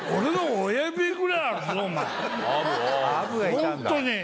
本当に！